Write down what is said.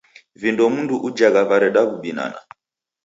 Vindo mndu ujagha vareda w'ubinana.